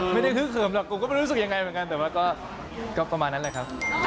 ไม่ได้ฮึกเหิมแล้วก็ไม่รู้สึกยังไงเดี๋ยวมันก็ประมาณนั้นแหละครับ